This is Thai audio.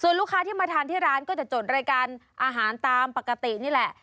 ลูกค้าที่มาทานที่ร้านก็จะจดรายการอาหารตามปกตินี่แหละ